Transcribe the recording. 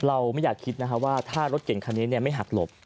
เราไม่อยากคิดนะครับว่าถ้ารถเก่งคันนี้ไม่หักหลบ